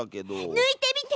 ぬいてみて！